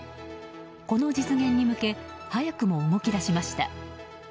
この実現に向け早くも動き出しました。